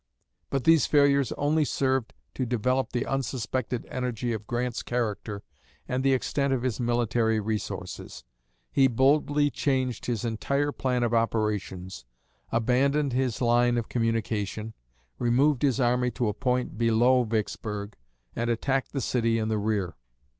But these failures only served to develop the unsuspected energy of Grant's character and the extent of his military resources. He boldly changed his entire plan of operations, abandoned his line of communication, removed his army to a point below Vicksburg and attacked the city in the rear.